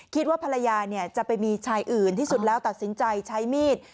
คิดว่าภรรยาจะไปมีชายอื่นที่สุดแล้วตัดสินใจใช้มีด